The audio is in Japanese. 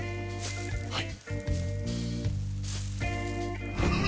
はい。